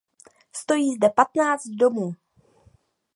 Stojí zde patnáct domů.